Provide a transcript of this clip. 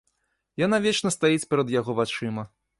Яна вечна стаіць перад яго вачыма.